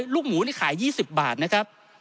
ลูกหมูนี่ขาย๒๐บาทนะครับ